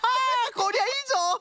こりゃいいぞ！